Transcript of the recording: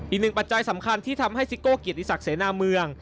ปัจจัยสำคัญที่ทำให้ซิโก้เกียรติศักดิเสนาเมือง